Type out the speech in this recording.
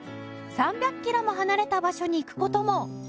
３００キロも離れた場所に行く事も